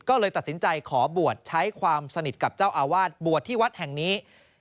ก็เลยตัดสินใจขอบวชใช้ความสนิทกับเจ้าอาวาสบวชที่วัดแห่งนี้